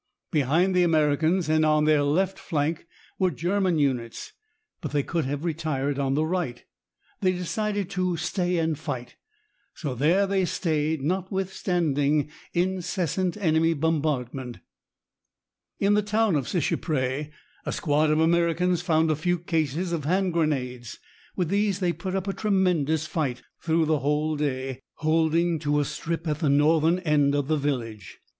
Behind the Americans and on their left flank were German units, but they could have retired on the right. They decided to stay and fight, so there they stayed, notwithstanding incessant enemy bombardment. In the town of Seicheprey a squad of Americans found a few cases of hand grenades. With these they put up a tremendous fight through the whole day, holding to a strip at the northern end of the village.